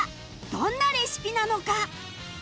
どんなレシピなのか？